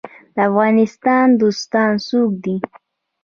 د افغانستان دوستان څوک دي؟